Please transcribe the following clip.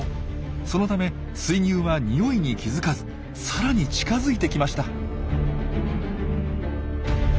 そのためスイギュウはにおいに気付かずさらに近づいてきました。